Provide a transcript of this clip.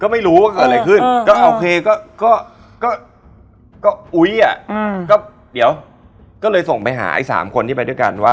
มาขอแต่แอร์ไม่เคยรู้เลยว่า